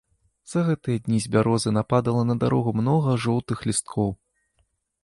За гэтыя дні з бярозы нападала на дарогу многа жоўтых лісткоў.